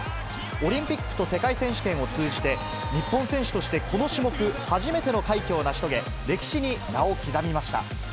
オリンピックと世界選手権を通じて、日本選手としてこの種目初めての快挙を成し遂げ、歴史に名を刻みました。